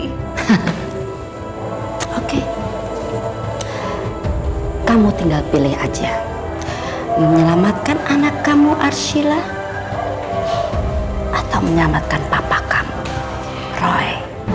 oke kamu tinggal pilih aja menyelamatkan anak kamu arshila atau menyelamatkan papa kamu roy